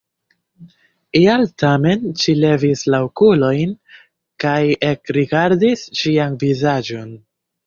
Ial tamen ŝi levis la okulojn kaj ekrigardis ŝian vizaĝon.